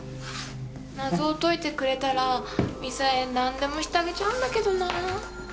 謎を解いてくれたらミサエなんでもしてあげちゃうんだけどな。